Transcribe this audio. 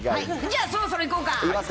じゃあ、そろそろいこうか。